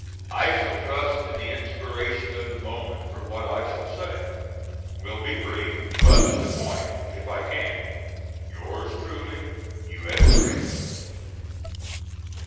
I shall trust to the inspiration of the moment for what I shall say. Will be brief, but to the point if I can. Yours truly, U.S. GRANT.